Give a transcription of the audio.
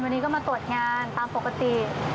วันนี้ก็มาตรวจงานตามปกติ